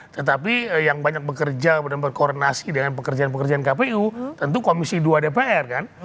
tetapi yang banyak bekerja berkoordinasi dengan pekerjaan pekerjaan kpu tentu komisi dua dpr kan